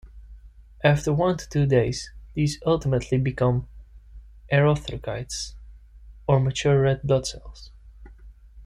After one to two days, these ultimately become "erythrocytes" or mature red blood cells.